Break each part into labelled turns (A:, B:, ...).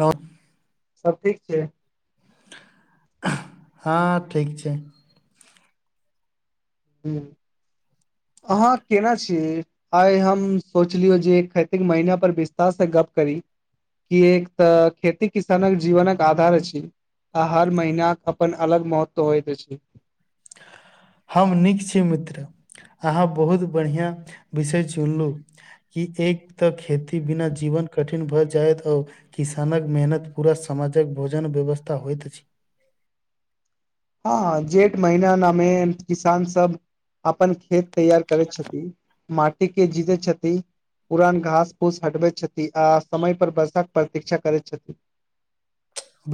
A: हऻ
B: सब ठीक छै
A: हँ ठीक छै
B: हू अहाँ केना छीयइ आइ हम सोचलियो जे कार्तिक महिना पर विस्तार से गप करी की एक तऽ खेती किसानक जीवनक के आधार अछी। आ हर महीनाक अपन अलग महत्व होयइत अछि।
A: हम नीक छी मित्र अहाँ बहुत बढ़िया विषय चुनलहुँ कि एक तऽ खेती बिना जीवन कठिन भए जायत ह किसानक मेहनत पूरा समाजक भोजन व्यवस्था होइत अछि।
B: हँ जेठ महीना न मेन किसान सब अपन खेत तैयार करै छथि माटि के जीदे छथि। पुरान घास फूस हटबैत छथि आ समय पर वर्षा के प्रतीक्षा करैत छथि।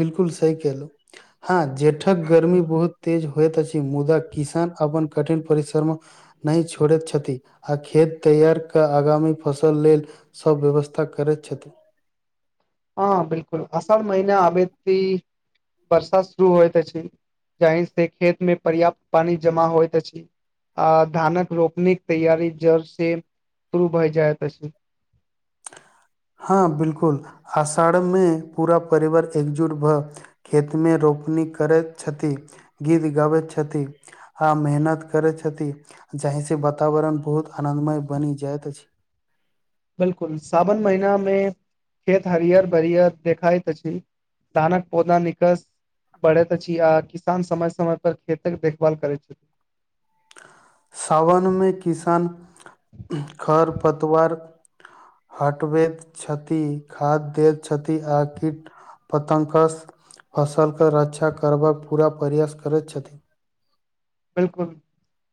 A: बिलकुल सही कहलहुँ। हँ जेठक गर्मी बहुत तेज होइत अछि मुदा किसान अपन कठिन परिश्रम नहि छोड़ैत छथि आ खेत तैयार कय आगामी फसल लेल सभ व्यवस्था करैत छथि।
B: हँ बिलकुल, अषाढ़ महिना आबैते वर्षा शुरू होइत अछि जाहि से खेत मे पर्याप्त पानी जमा होइत अछि। आ धानक रोपनी के तैयारी जड़ से शुरू भए जायत अछि।
A: हँ बिलकुल, आषाढ़मे पूरा परिवार एकजुट भ खेतमे रोपनी करैत छथि, गीत गाबैत छथि। आ मेहनत करैत छथि जाहि से वातावरण बहुत आनंदमय बनि जाइत अछि।
B: बिलकुल सावन महिना मे खेत हरियर बरियर देखाइत अछि। धानक पौधा निकस बढ़ैत अछि आ किसान समय समय पर खेतक देखभाल करैत छथि।
A: सावन मे किसान खर पतवार हटबैत छथि, खाद दैत छथि आ किट पतंग सं फसलके रक्षा करबाक पूरा प्रयास करैत छथि।
B: बिलकुल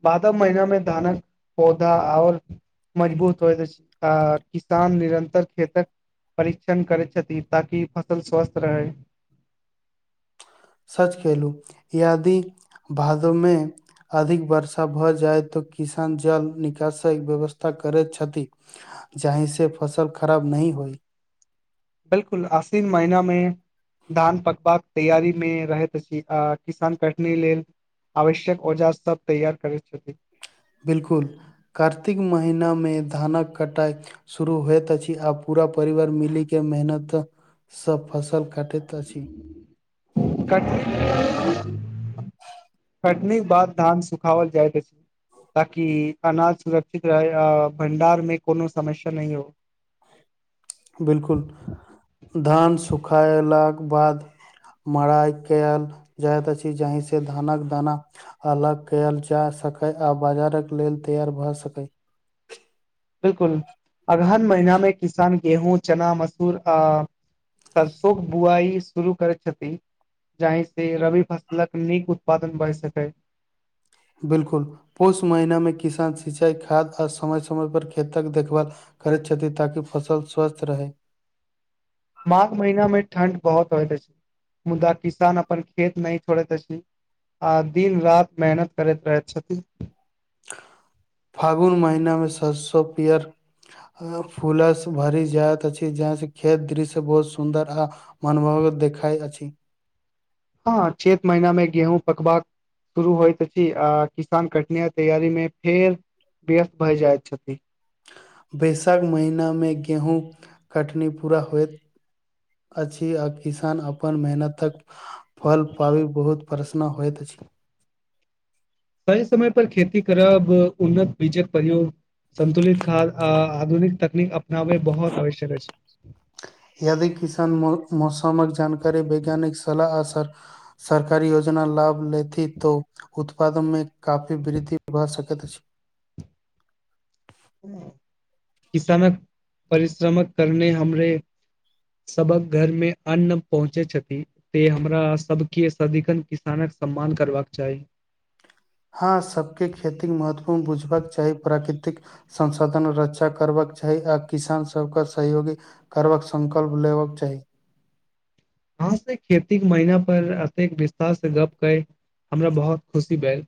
B: भादव महीनामे धानक पौधा और मजबूत होइत अछि आ किसान निरन्तर खेतक परीक्षण करै छथि ताकि फसल स्वस्थ रहय।
A: सच कहलहुँ, यदि भादवमे अधिक वर्षा भ जाय त किसान जल निकासक व्यवस्था करैत छथि। जाहि से फसल खराब नहि होइ।
B: बिलकुल, आसीन महीनामे धान पकबाक तैयारी मे रहैत अछि आ किसान कटनी लेल आवश्यक औजार सब तैयार करै छथि।
A: बिलकुल, कार्तिक महीनामे धानक कटाई शुरू होइत अछि आ पूरा परिवार मीलि के मेहनत सब फसल कटैत अछि।
B: कट कटनी बाद धान सुखाबल जाइत ऐछ। ताकि अनाज सुरक्षित रहै आ भण्डारमे कोनो समस्या नहीं हो।
A: बिलकुल, धान सुखयलाक बाद मड़ाइ कैल जाइत अछि जाहि स धानक दाना अलग कैल जा सकै आ बाजारक लेल तैयार भ सकै।
B: बिलकुल, अगहन महीनामें किसान गेहूँ, चना, मसूर आ सरसोक बुआइ शुरू करै छथि। जाहि से रबी फसलक नीक उत्पादन भर सकै।
A: बिलकुल, पुस महीनामे किसान सिंचाई, खाद, और समय समय पर खेतक देखभाल करैत छथि ताकि फसल स्वस्थ रहै।
B: माघ महीना मे ठण्ड बहुत होइत अछि मुदा किसान अपन खेत नहीं छोड़ैत अछि। आ दिन रात मेहनत करैत रहैत छथि।
A: फागुन महिनामे सरसो पियर फूलसं भरि जाइत अछी जहाँ से खेतक दृश्य बहुत सुंन्दर आ मनमोहक देखाइ अछी।
B: हँ चेत महीना में गेहूँ पकबाक शुरू होइत अछी आ किसान कटनी आ तैयारी मे फेर व्यस्त भऽ जाइत छथी।
A: बैशाख महीनामे गेहूँ कटनी पूरा होइत अछी आ किसान अपन मेहनतक फल पाबी बहुत प्रसन होइत अछि।
B: सही समय पर खेती करब उन्नत बीजक प्रयोग संतुलित खाद आ आधुनिक तकनीक अपनायब बहुत आवश्यक अछी।
A: यदि किसान मौ मौसमक जानकारी, वैज्ञानिक सलाह आसर सरकारी योजना लाभ लेथी तो उत्पाद मे काफी वृद्धि भ सकैत अछी।
B: किसानक परिश्रमक करने हमरे सबक घरमे अन्न पहुँचे छथी। ते हमरा सबके सदीखन किसानक सम्मान करबाक चाही।
A: हाॅं सबके खेती महत्वपूर्ण बुझबाक चाही प्राकृतिक संसाधन रक्षा करबाक चाही आ किसान सबके सहयोगी करबाक संकल्प लेबक चाही।
B: अहां से खेतीक महीना पर अतेक विस्तार से गप कैय हमरा बहुत खुशी भेल।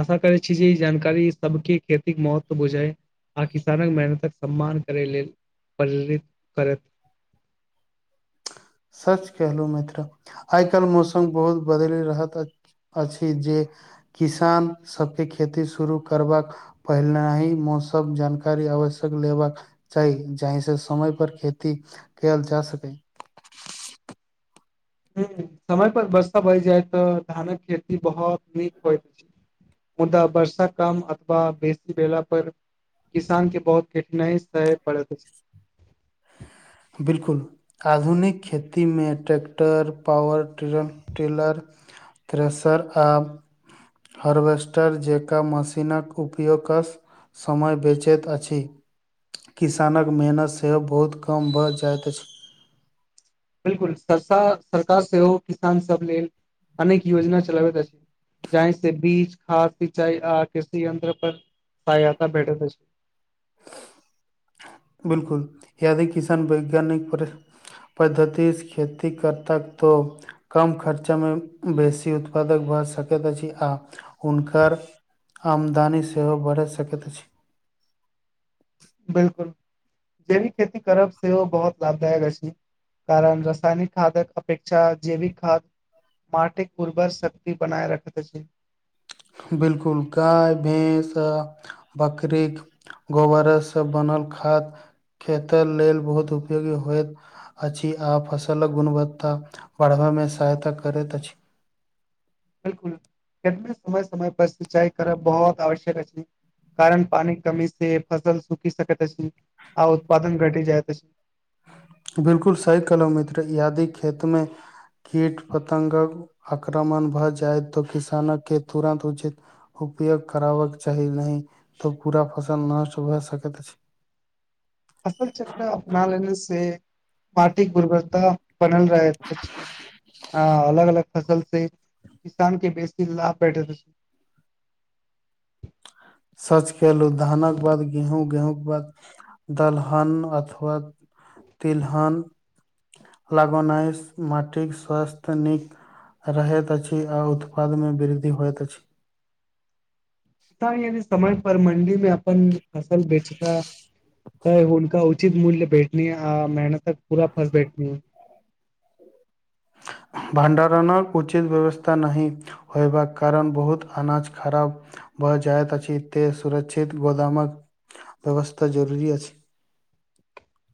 B: आशा करै छी जे ई जानकारी सबके खेती के महत्व बुझय आ किसानक मेहनतक सम्मान करै लेल प्रेरित करत।
A: सच कहलेउं मित्र आइ काल्हि मौसम बहुत बदली रहत अछ अछी जे किसान सबके खेती शुरू करबाक पहिना ही मौसम जानकारी आवश्यक लेबाक चाही जहि से समय पर खेती कएल जा सकै
B: हूं समय पर वर्षा भऽ जाय तऽ धानक खेती बहुत नीक होइत छै। मुदा वर्षा कम अथवा बेसी भेला पर किसान के बहुत कठिनाई सहे पड़त अछि।
A: बिलकुल आधुनिक खेती मे tractor, power tray teller thresher आ हार्वेस्टर जेकां मशीनक उपयोगस समय बेचैत अछि किसानक मेहनत सेहो बहुत क कम भ जाइत अछि।
B: बिलकुल सरसा सरकार सेहो किसानसभ लेल अनेक योजना चलाबैत अछि। जाहि सें बीज, खाद, सिंचाई आ कृषि यन्त्र पर सहायता भेटत अछि। [inaudible]
A: बिलकुल यदि किसान वैज्ञानिक पर पद्धतिसे खेती करता तो कम खर्चामे बेसी उत्पादक भ सकैत अछि आ हुनकर आमदानी सेहो बढ़ि सकैत अछि। [inaudible]
B: बिलकुल जैविक खेती करब सेहो बहुत लाभदायक अछि। कारण रसायनिक खादक अपेक्षा जैविक खाद्य माटिक उर्वर शक्ति बनाय रखैत अछि।
A: बिलकुल गाय, भेंस आ बकरीक गोबरसँ बनल खाद खेत लेल बहुत उपयोगी होइत अछि आ फसलक गुणवत्ता बढ़बामे सहायता करैत अछि।
B: बिलकुल, अखने समय समय पर सिंचाई करब बहुत आवश्यक अछि। कारण पानीक कमी से फसल सुखि सकैत अछि आ उत्पादन घटि जाइत अछि।
A: बिलकुल सही कहलहुँ मित्र, यदि खेतमे कीट पतंगक आक्रमण भ जाय त किसान के तुरन्त उचित उपयोग कराबक चाही नहि त पूरा फसल नष्ट भ सकैत अछि।
B: फसल चक्र अपना लेने से माटिक दुर्बलता बनल रहैत अछि आ अलग अलग फसल से किसान के बेसी लाभ भेटैत अछि।
A: सच कहलहुँ धानक बाद गेहूँ, गेहूँके बाद दलहन अथवा तिलहन लगेनाइ माटिक स्वास्थ्य निक रहैत अछि आ उत्पादनमे वृद्धि होइत अछि।
B: किसान यदि समय पर मण्डीमे अपन फसल बेचता त हुनका उचित मूल्य भेटतनि आ मेहनतक पूरा फल भेटतनि।
A: भाण्डारणक उचित व्यवस्था नहि होबाक कारण बहुत अनाज खराब भय जाइत अछि ते सुरक्षित गोदामक व्यवस्था जरूरी अछि।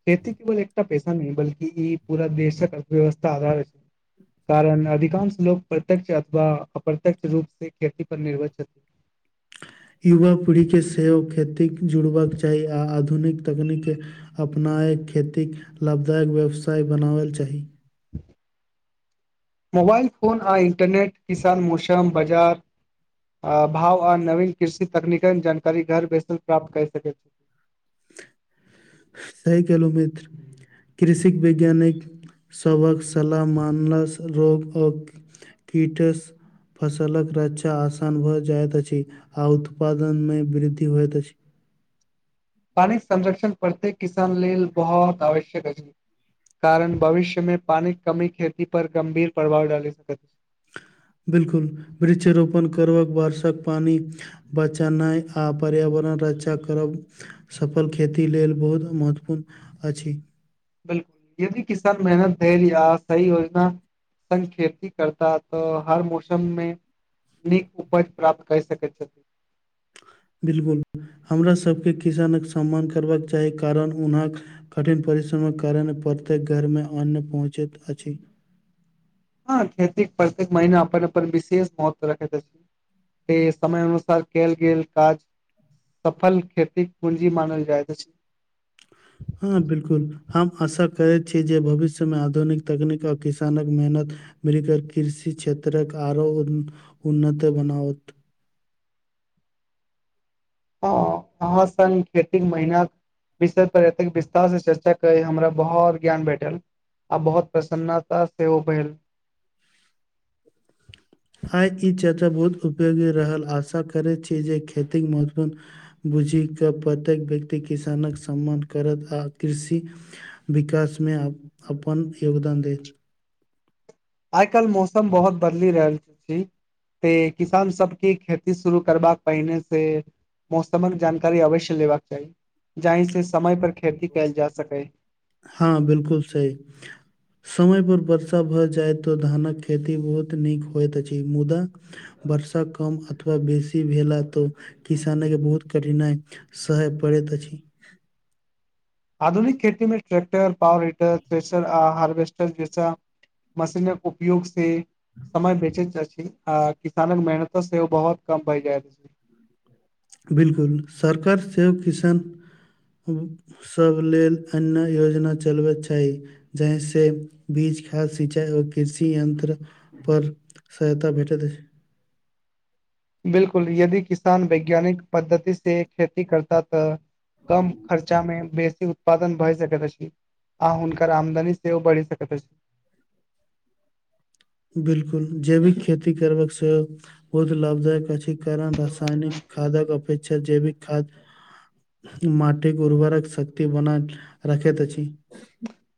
B: खेती केवल एकटा पेशा नहि बल्कि इ पूरा देशक अर्थव्यवस्थाक आधार अछि। कारण अधिकांश लोक प्रत्यक्ष अथवा अप्रत्यक्ष रूप से खेती पर निर्भर छथि।
A: युवा पीढ़ीके सहो खेती सं जुड़बाक चाही आ आधुनिक तकनीकके अपनाय खेतीक लाभदायक व्यवसाय बनाबक चाही।
B: मोबाईल फोन आ इन्टरनेट किसान, मौसम, बाजार आ भाव आ नवीन कृषि तकनीकक जानकारी घर बैसल प्राप्त कर सकै छै।
A: सही कहलहुँ मित्र। कृषि वैज्ञानिक सभक सलाह मानला सं रोग कीट सं फसलक रक्षा आसान भ जाइत अछि आ उत्पादनमे वृद्धि होइत अछि।
B: पानीक संरक्षण प्रत्येक किसान लेल बहुत आवश्यक अछि। कारण भविष्य में पानी क कमी खेती पर गंभीर प्रभाव डालि सकैत।
A: बिलकुल, वृक्षारोपण करव क बारिशक पानि बचेनाइ आ पर्यावरण रक्षा करब सफल खेती लेल बहुत महत्वपूर्ण अछि।
B: बिलकुल, यदि किसान मेहनत धैर्य या सही योजना सॅं खेती करता त हर मौसम मे नीक उपज प्राप्त कए सकैत छथि।
A: बिलकुल, हमरा सबके किसानक सम्मान करबाक चाही कारण हुनक कठिन परिश्रमक कारण प्रत्येक घर मे अन्न पहुँचैत अछि।
B: हँ खेती प्रत्येक महिना अपन अपन विशेष महत्व रखैत अछि से समय अनुसार कयल गेल काज सफल खेतीक पूंजी मानल जाइत अछि।
A: हँ बिलकुल। हम आशा करैत छी जे भविष्य मे आधुनिक तकनीक आ किसानक मेहनत मिलि के कृषि क्षेत्र के आरो उन्नति बनाओत।
B: हँ अहाँ संग खेतीक मेहनत विषय पर एतेक विस्तार से चर्चा करैत हमरा बहुत ज्ञान भेटल। आ बहुत प्रसन्नता सेहो भेल।
A: आइ इ चर्चा बहुत उपयोगी रहल आशा करैत छी जे खेतिक महत्वपूर्ण बुझि के प्रत्येक व्यक्ति किसानक सम्मान करत, आ कृषि विकास मे अपन योगदान देत।
B: आइ काल्हि मौसम बहुत बदलि रहल अछि। त किसान सबके खेती शुरू करबाक पहिने से- मौसमक जानकारी अवश्य लेबाक चाही, जाहि से समय पर खेती कयल जा सकै।
A: हँ बिलकुल सही। समय पर वर्षा भऽ जाय तऽ, धानक खेती बहुत नीक होइत अछि मुदा वर्षा कम अथवा बेसी भेल त, किसान के बहुत कठिनाइ - सहय पड़ैत अछि।
B: आधुनिक खेती मे ट्रै्क्टर, पावर हीटर, आ हार्वेस्टर जैसा मशीनक उपयोग से- समय बचैत अछि, आ किसानक मेहनत सेहो बहुत कम भय जायत छै।
A: बिलकुल सरकार सेहो किसान- सब लेल अन्य योजना चलबैक चाही। जहि से बीज खाद सिंचाई आ कृषि यंत्र पर सहायता भेटैत अछि।
B: 'बिलकुल' यदि किसान वैज्ञानिक पद्धति से खेती करता तऽ- कम खर्चामे बेसी- उत्पादन भए सकैत अछि, आ हुनकर आमदनी सेहो बढ़ि सकैत अछि।
A: 'बिलकुल' जैविक खेती करबाक सेहो बहुत लाभदायक अछि, कारण रसायनिक खादक अपेक्षा जैविक खाद्य- माटिक उर्वरक शक्ति बना के राखैत अछि।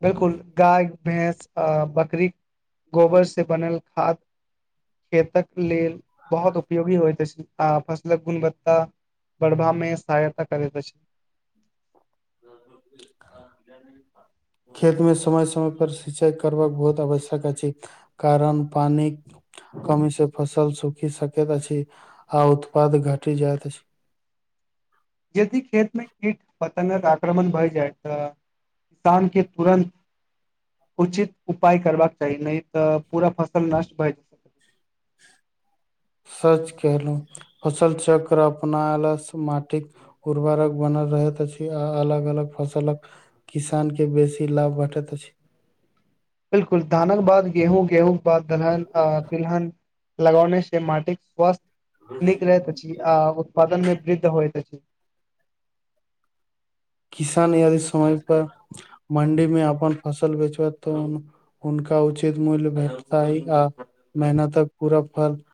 B: 'बिलकुल' गाय, भैंस, आ बकरी के गोबर से बनल खाद- खेतक लेल बहुत उपयोगी होइत अछि, आ फसलक गुणवत्ता- बढ़बा मे सहायता करैत अछि।
A: [inaudible] खेत मे समय- समय पर, सिंचाई करबाक बहुत आवश्यक अछि। कारण पानिक कमी से फसल सुखि सकैत अछि, आ उत्पाद घटि जाइत अछि।
B: यदि खेत मे कीट -पतंगक आक्रमण भए जाय तऽ- किसान के तुरन्त उचित उपाय करबाक चाही, नहि त पूरा फसल नष्ट होयत। [inaudible]
A: सच केलहु, फसल चक्र अपना अलग सँ माटिक। उर्बारक बनल रहैत अछि, आ अलग -अलग फसलक किसान के बेसी लाभ भेटैत अछि।
B: 'बिलकुल' धानक बाद गेहूँ, गेहूँ के बाद दलहन, आ दुल्हन। लगौने से माटिक स्वस्थ नीक रहत अछि, आब। उत्पादन मे वृद्ध होइत अछि।
A: किसान यदि समय पर, मण्डी मे अपन फसल बेचबै तऽ हुनका उचित मूल्य भेटतैन, ह आ मेहनतक पूरा फल। [unintelligible]